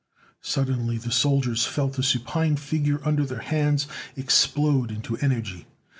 Suddenly the soldiers felt the supine figure under their hands explode into energy.